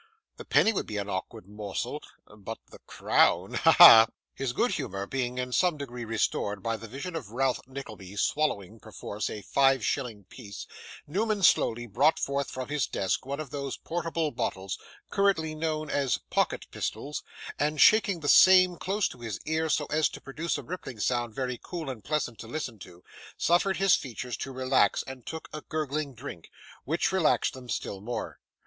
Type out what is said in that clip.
The penny would be an awkward morsel but the crown ha! ha!' His good humour being in some degree restored by the vision of Ralph Nickleby swallowing, perforce, a five shilling piece, Newman slowly brought forth from his desk one of those portable bottles, currently known as pocket pistols, and shaking the same close to his ear so as to produce a rippling sound very cool and pleasant to listen to, suffered his features to relax, and took a gurgling drink, which relaxed them still more.